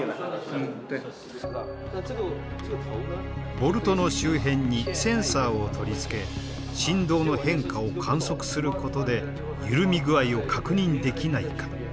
ボルトの周辺にセンサーを取り付け振動の変化を観測することで緩み具合を確認できないか。